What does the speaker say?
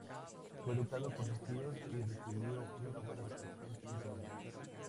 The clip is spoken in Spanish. Fue educada por sus tíos y recibió una buena educación siendo niña.